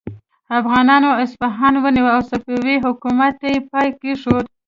افغانانو اصفهان ونیو او صفوي حکومت ته یې پای کیښود.